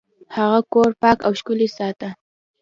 هغه کور پاک او ښکلی ساته.